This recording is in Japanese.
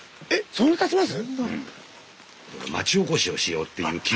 そんなたちます？